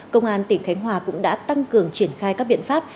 công an tỉnh khánh hòa cũng đã tăng cường triển khai các biện pháp